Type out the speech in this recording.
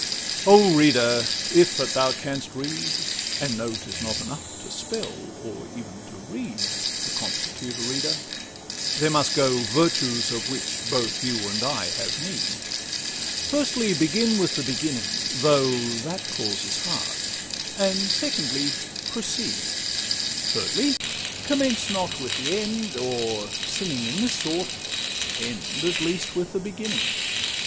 LXXIII O reader! if that thou canst read, and know, 'T is not enough to spell, or even to read, To constitute a reader; there must go Virtues of which both you and I have need; Firstly, begin with the beginning (though That clause is hard); and secondly, proceed; Thirdly, commence not with the end or, sinning In this sort, end at least with the beginning.